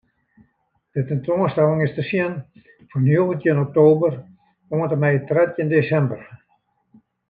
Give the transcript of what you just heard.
De tentoanstelling is te sjen fan njoggentjin oktober oant en mei trettjin desimber.